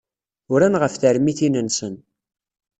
Uran ɣef termitin-nsen.